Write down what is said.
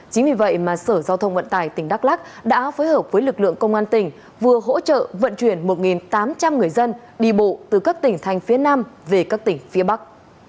chính vì vậy mà sở giao thông vận tải tỉnh đắk lắc đã phối hợp với lực lượng công an tỉnh vừa hỗ trợ vận chuyển một tám trăm linh người dân đi bộ từ các tỉnh thành phía nam về các tỉnh phía bắc